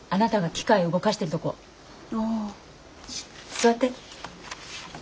座って。